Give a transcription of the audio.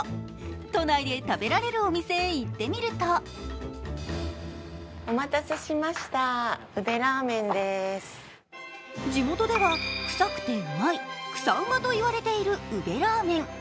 都内で食べられるお店へ行ってみると地元ではくさくてうまいくさうまといわれている宇部ラーメン。